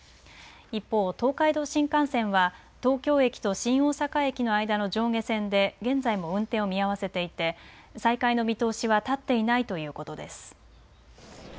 一方、東海道新幹線は東京駅と新大阪駅の間の上下線で現在も運転を見合わせていて再開の見通しは立っていないということです。